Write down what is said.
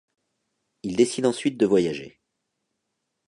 Il décide ensuite de voyager.